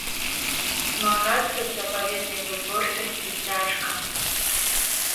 Змагацца з запаведнай вытворчасцю цяжка.